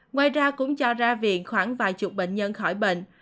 ngoài ra cũng cho ra viện khoảng vài chục bệnh nhân khỏi bệnh